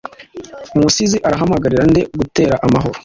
Umusizi arahamagarira nde gutera amahoro?